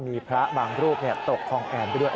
มีพระบางรูปตกคลองแอนไปด้วย